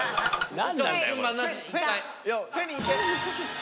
何。